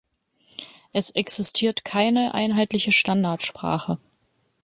Es existiert keine einheitliche Standardsprache.